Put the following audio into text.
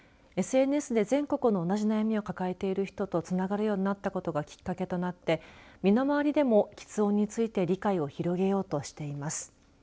ＳＮＳで全国の同じ悩みを抱えている人とつながるようになったことがきっかけとなって身のまわりでもきつ音について理解を広げようとしています。